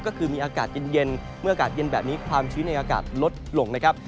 ก็คือมีอากาศเย็นเมื่ออากาศเย็นแบบนี้ความชื้นในอากาศลดลงนะครับ